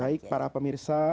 baik para pemirsa